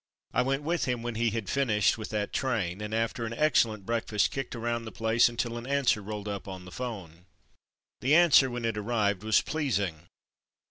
I went with him when he had finished with that train, and after an excellent breakfast kicked around the place until an answer rolled up on the 'phone. The answer, when it arrived, was pleasing.